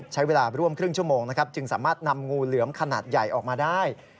ใช้เวลาร่วมครึ่งชั่วโมงนะครับจึงสามารถนำงูเหลือมขนาดใหญ่ออกมาได้